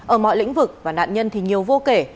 ở mọi lĩnh vực và nạn nhân thì nhiều vô kể